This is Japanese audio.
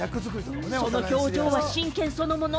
その表情は真剣そのもの。